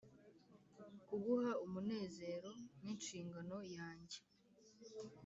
Kuguha umunezero ninshingano yanjye